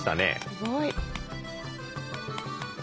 すごい。